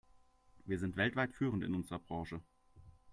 Wir sind weltweit führend in unserer Branche.